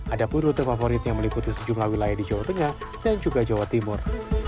ada pun rute favorit yang meliputi sejumlah wilayah di jawa tengah dan juga jawa timur